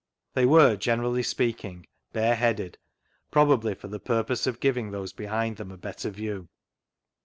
They were, generally speaking, bare headed, probably for the purpose of giving those behind them a better view.